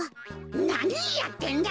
なにやってんだ！